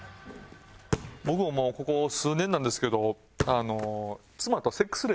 僕ももうここ数年なんですけどあの。